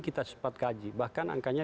kita sempat kaji bahkan angkanya